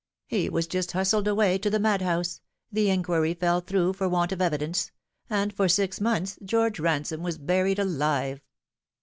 He was just hustled away to the madhouse the inquiry fell through for want of evidence and for six months George Ransome was buried alive.